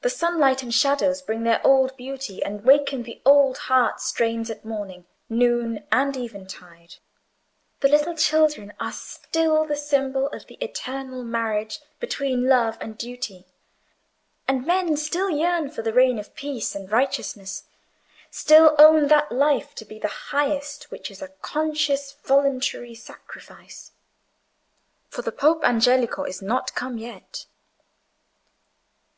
The sunlight and shadows bring their old beauty and waken the old heart strains at morning, noon, and eventide; the little children are still the symbol of the eternal marriage between love and duty; and men still yearn for the reign of peace and righteousness—still own that life to be the highest which is a conscious voluntary sacrifice. For the Pope Angelico is not come yet.